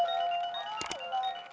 nih ini udah gampang